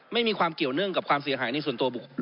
ไม่มีความเกี่ยวเนื่องกับความเสียหายในส่วนตัวบุคคล